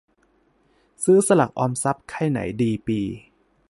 ซื้อสลากออมทรัพย์ค่ายไหนดี ปี